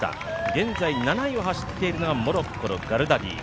現在７位を走っているのがモロッコのガルダディ